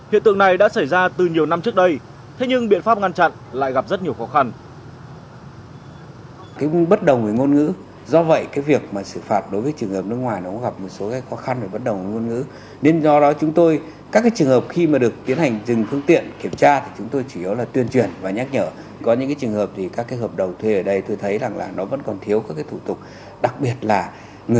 hiện tượng này đã xảy ra từ nhiều năm trước đây thế nhưng biện pháp ngăn chặn lại gặp rất nhiều khó khăn